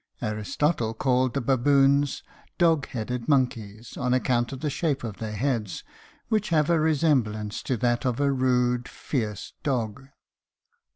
Aristotle called the baboons dog headed monkeys, on account of the shape of their heads, which have a resemblance to that of a rude, fierce dog.